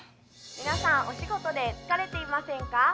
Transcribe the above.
皆さんお仕事で疲れていませんか？